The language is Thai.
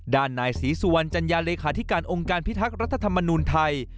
ด้านนายศรีสุวรรณจัญญาเลขาธิการองค์การพิทักษ์รัฐธรรมนูลไทย